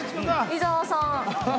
伊沢さん。